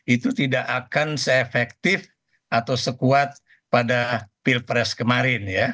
itu tidak akan se efektif atau sekuat pada pilpres kemarin